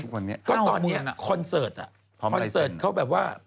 วันนี้ก็ตอนนี้คอนเสิร์ตอ่ะคอนเสิร์ตเขาแบบว่า